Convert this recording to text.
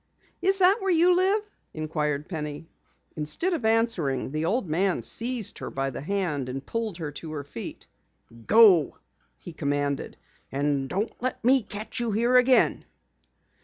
"Is that where you live?" inquired Penny. Instead of answering, the old man seized her by the hand and pulled her to her feet. "Go!" he commanded. "And don't let me catch you here again!"